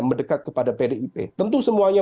mendekat kepada pdip tentu semuanya